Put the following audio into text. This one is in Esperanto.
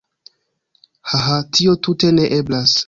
Hahaha. Tio tute ne eblas